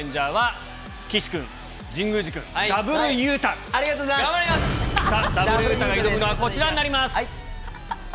ダブルユウタが挑むのはこちらになります。